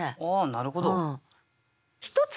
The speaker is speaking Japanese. なるほど。